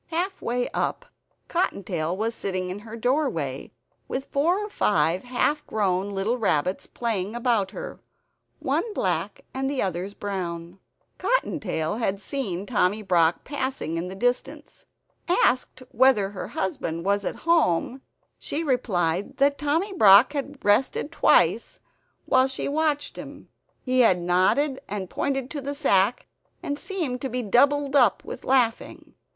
Half way up, Cottontail was sitting in her doorway, with four or five half grown little rabbits playing about her; one black and the others brown. Cottontail had seen Tommy Brock passing in the distance. Asked whether her husband was at home she replied that Tommy Brock had rested twice while she watched him. He had nodded, and pointed to the sack, and seemed doubled up with laughing.